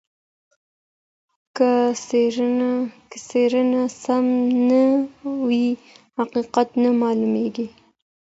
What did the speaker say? که څېړنه سمه نه وي حقیقت نه معلوميږي.